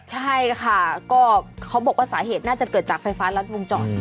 ใช่ค่ะก็เขาบอกว่าสาเหตุน่าจะเกิดจากไฟฟ้ารัดวงจร